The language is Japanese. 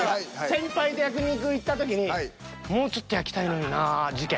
先輩と焼肉行った時にもうちょっと焼きたいのになぁ事件。